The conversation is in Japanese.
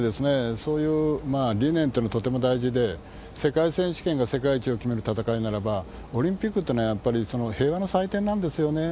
そういう理念というのはとても大事で、世界選手権が世界一を決める戦いならば、オリンピックっていうのはやっぱり平和の祭典なんですよね。